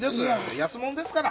安もんですから。